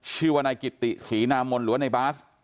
ชื่อวรรณกิตริสีนามลหรือว่าไรบาซ